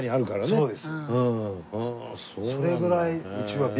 そうです。